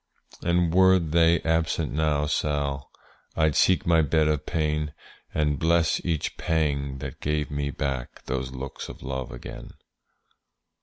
And were they absent now, Sall, I'd seek my bed of pain, And bless each pang that gave me back Those looks of love again.